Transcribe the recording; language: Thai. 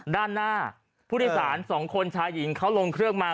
ด้านหน้าผู้โดยสาร๒คนชายหญิงเขาลงเครื่องมา